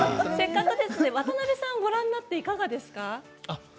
渡邊さんご覧になっていかがですか？